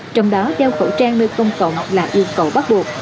trong đó đeo khẩu trang nơi công cộng là yêu cầu bắt buộc